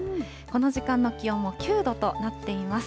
この時間の気温も９度となっています。